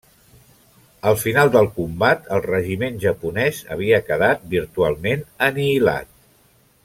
Al final del combat el regiment japonès havia quedat virtualment anihilat.